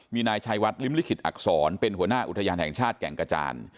มีนายชัยวัดริมลิขิตอักษรเป็นหัวหน้าอุทยานแห่งชาติแก่งกระจาน